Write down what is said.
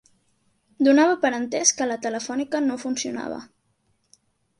Donava per entès que la Telefònica no funcionava